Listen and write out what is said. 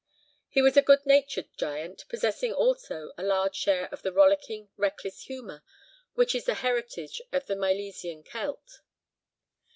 He was a good natured giant, possessing also a large share of the rollicking, reckless humour which is the heritage of the Milesian Celt.